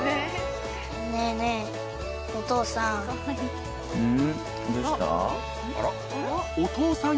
ねえねえ、お父さん。